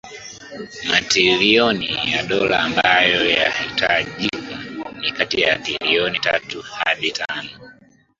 matilioni ya dola ambayo yanahitajika ni kati ya tilioni tatu hadi tano